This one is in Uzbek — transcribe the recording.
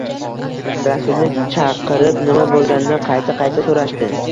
Rasulni chaqirib, nima bo`lganini qayta-qayta so`rashdi